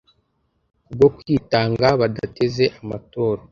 kubwo kwitanga badateze amaturo